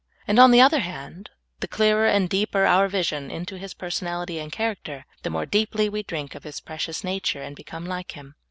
And on the other hand, the clearer and deeper our vision into His personality and character, the more deeply we drink of His precious nature, and become like Him.